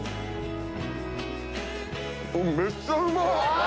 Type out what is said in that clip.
めっちゃうまっ！